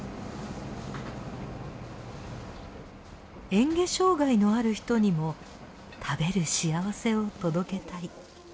嚥下障がいのある人にも食べる幸せを届けたい。